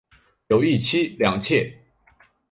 有一妻两妾。